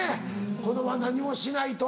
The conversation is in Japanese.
これは何もしないと。